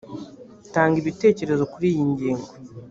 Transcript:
tanga ibitekerezo kuri iyi ngingo